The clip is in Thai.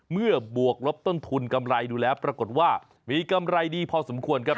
บวกลบต้นทุนกำไรดูแล้วปรากฏว่ามีกำไรดีพอสมควรครับ